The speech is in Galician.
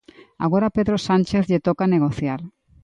Agora a Pedro Sánchez lle toca negociar.